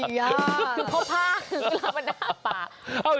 คนข้างก็ตกใจไอเหย่อ